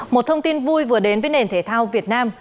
một thông tin vui vừa đến với nền thể thao việt nam